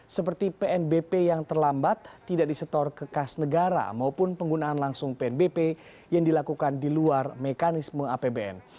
seperti pnbp yang terlambat tidak disetor kekas negara maupun penggunaan langsung pnbp yang dilakukan di luar mekanisme apbn